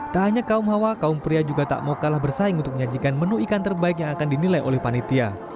tak hanya kaum hawa kaum pria juga tak mau kalah bersaing untuk menyajikan menu ikan terbaik yang akan dinilai oleh panitia